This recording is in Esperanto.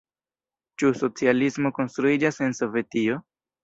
Ĉu socialismo konstruiĝas en Sovetio?